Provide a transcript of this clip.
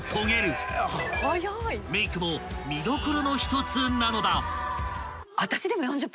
［メイクも見どころの１つなのだ］